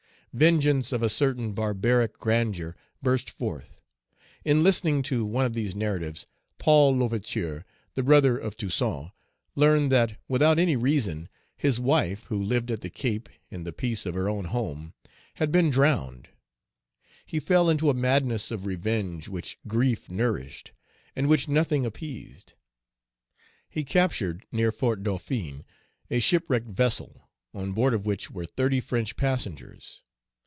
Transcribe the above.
Vengeance of a certain barbaric grandeur burst forth. In listening to one of these narratives, Paul L'Ouverture, the brother of Toussaint, learned that, without any reason, his wife, who lived at the Cape, in the peace of her own home, had been drowned. He fell into a madness of revenge which grief nourished, and which nothing appeased. He captured, near Fort Dauphin, a shipwrecked vessel, on board of which were thirty French passengers.